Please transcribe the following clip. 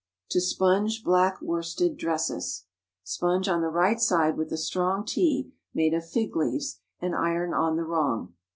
TO SPONGE BLACK WORSTED DRESSES. Sponge on the right side with a strong tea made of fig leaves, and iron on the wrong.